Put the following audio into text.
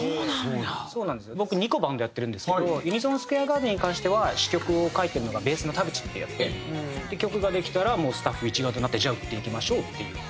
僕２個バンドやってるんですけどＵＮＩＳＯＮＳＱＵＡＲＥＧＡＲＤＥＮに関しては詞曲を書いてるのがベースの田淵ってヤツでで曲ができたらもうスタッフ一丸となってじゃあ売っていきましょうっていう。